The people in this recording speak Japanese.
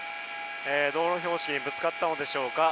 道路標識にぶつかったのでしょうか。